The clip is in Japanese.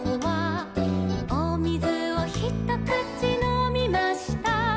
「おみずをひとくちのみました」